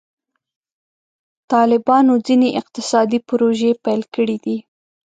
طالبانو ځینې اقتصادي پروژې پیل کړي دي.